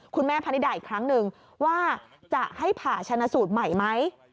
พนิดาอีกครั้งหนึ่งว่าจะให้ผ่าชนะสูตรใหม่ไหม